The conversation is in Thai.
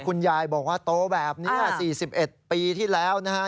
คุณยายบอกว่าโตแบบนี้๔๑ปีที่แล้วนะฮะ